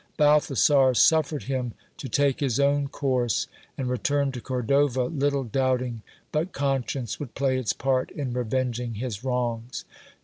Balthasar suffered him to take his own course, and returned to Cordova, little doubting but conscience would play its part in revenging his wrongs.